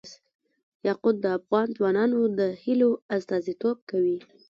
یاقوت د افغان ځوانانو د هیلو استازیتوب کوي.